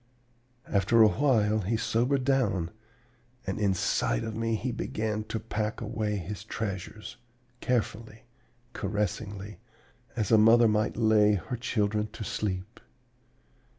"After a while he sobered down, and inside of me he began to pack away his treasures carefully, caressingly, as a mother might lay her children to sleep.